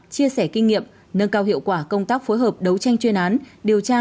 chia sẻ kinh nghiệm nâng cao hiệu quả công tác phối hợp đấu tranh chuyên án điều tra